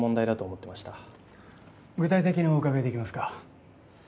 具体的にお伺いできますか？